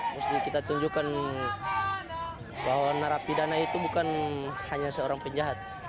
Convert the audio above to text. mesti kita tunjukkan bahwa narapidana itu bukan hanya seorang penjahat